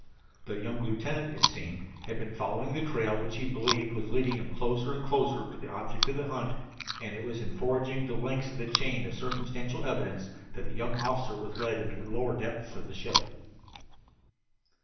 The young lieutenant, it seemed, had been following a trail which he believed was leading him closer and closer to the object of the hunt, and it was in forging the links of this chain of circumstantial evidence that the young officer was led into the lower depths of the ship.